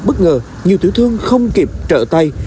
hất ngờ nhiều tử thương không kịp trợ tay